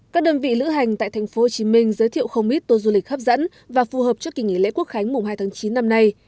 các đơn vị lữ hành tại tp hcm giới thiệu không ít tour du lịch hấp dẫn và phù hợp cho kỳ nghỉ lễ quốc khánh mùng hai tháng chín năm nay